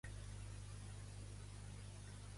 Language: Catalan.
Els sobiranistes estan a favor d'una Nació Asturiana